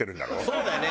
そうだね。